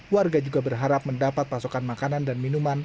warga juga berharap mendapat pasokan makanan dan minuman